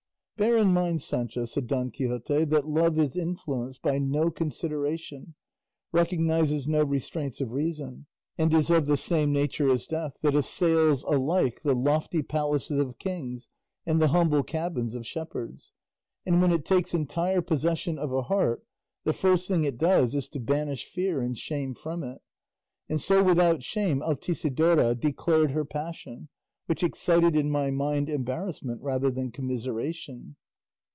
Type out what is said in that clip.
"Bear in mind, Sancho," said Don Quixote, "that love is influenced by no consideration, recognises no restraints of reason, and is of the same nature as death, that assails alike the lofty palaces of kings and the humble cabins of shepherds; and when it takes entire possession of a heart, the first thing it does is to banish fear and shame from it; and so without shame Altisidora declared her passion, which excited in my mind embarrassment rather than commiseration."